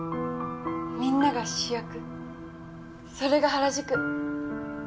みんなが主役それが原宿。